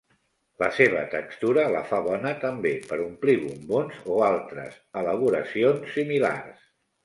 La seva textura la fa bona també per omplir bombons o altres elaboracions similars.